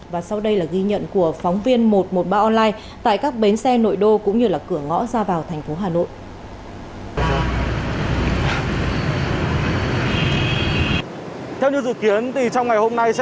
và sau đây là ghi nhận của phóng viên một trăm một mươi ba online tại các bến xe nội đô cũng như cửa ngõ ra vào thành phố hà nội